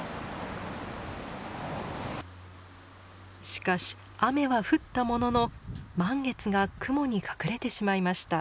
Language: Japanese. しかし雨は降ったものの満月が雲に隠れてしまいました。